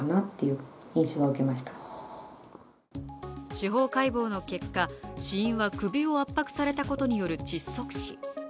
司法解剖の結果、死因は首を圧迫されたことによる窒息死。